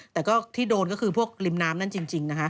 แต่ก็ที่โดนก็คือพวกริมน้ำนั่นจริงนะฮะ